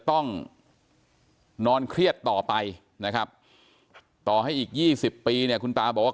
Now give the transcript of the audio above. ต้องนอนเครียดต่อไปนะครับต่อให้อีก๒๐ปีเนี่ยคุณตาบอกว่า